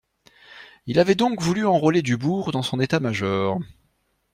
Il avait donc voulu enrôler Dubourg dans son état-major.